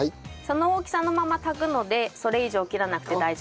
その大きさのまま炊くのでそれ以上切らなくて大丈夫です。